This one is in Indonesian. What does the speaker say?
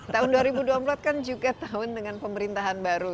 tahun dua ribu dua puluh empat kan juga tahun dengan pemerintahan baru